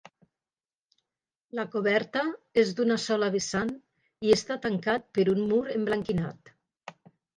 La coberta és d'una sola vessant i està tancat per un mur emblanquinat.